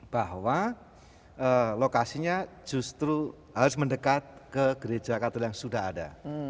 bahwa lokasinya justru harus mendekat ke gereja katul yang sudah ada